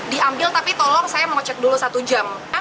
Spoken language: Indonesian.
diambil tapi tolong saya mau cek dulu satu jam